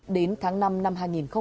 đến tháng năm năm hai nghìn một mươi năm